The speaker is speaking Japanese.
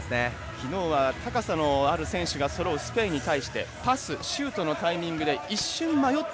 きのうは高さのある選手がそろうスペインに対してパス、シュートのタイミングで一瞬迷って